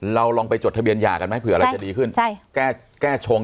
ลองไปจดทะเบียนหย่ากันไหมเผื่ออะไรจะดีขึ้นใช่แก้แก้ชง